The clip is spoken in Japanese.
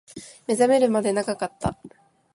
目覚めるまで長かった